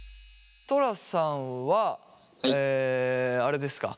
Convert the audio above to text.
トラさんはあれですか？